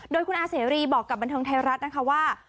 โดยคุณอาเสรีบอกกับบันเทิงไทยรัฐนะคะว่า